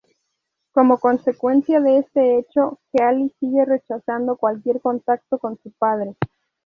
Como consecuencia de este hecho, Healy sigue rechazando cualquier contacto con su padre.